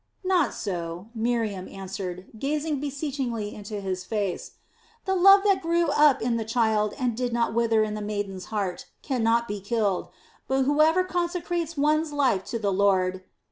"Not so," Miriam answered, gazing beseechingly into his face. "The love that grew up in the child and did not wither in the maiden's heart, cannot be killed; but whoever consecrates one's life to the Lord...."